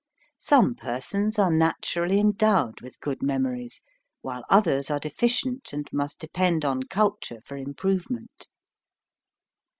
Some persons are naturally endowed with good memories, while others are deficient, and must depend on culture for improvement.